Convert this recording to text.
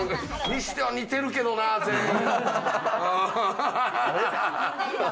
にしては似てるけどな、全員。